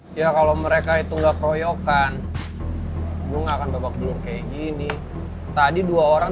saya kalau mereka itu enggak roy okan bunga akan tebak belum kayak gini tadi dua orang